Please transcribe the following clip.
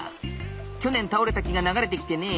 去年倒れた木が流れてきてねえ